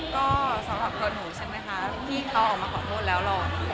ก็สำหรับตัวหนูใช่ไหมคะที่เขาออกมาขอโทษแล้วหรอก